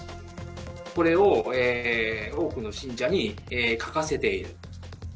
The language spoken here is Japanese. これを多くの信者に書かせている。